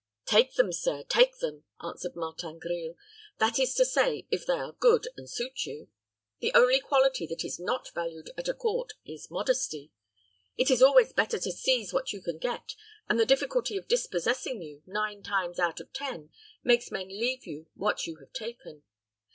"Take them, sir, take them," answered Martin Grille; "that is to say, if they are good, and suit you. The only quality that is not valued at a court is modesty. It is always better to seize what you can get, and the difficulty of dispossessing you, nine times out of ten, makes men leave you what you have taken.